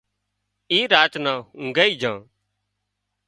اي راچ نان اونگھائي جھا